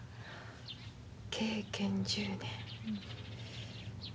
経験１０年。